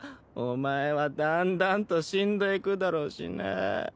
お前はだんだんと死んでいくだろうしなぁ。